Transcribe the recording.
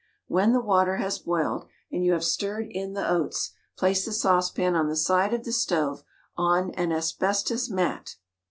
When the water has boiled, and you have stirred in the oats, place the saucepan on the side of the stove on an asbestos mat.